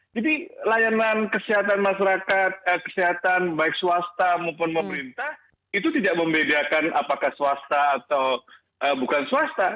jadi layanan kesehatan masyarakat kesehatan baik swasta maupun pemerintah itu tidak membedakan apakah swasta atau bukan swasta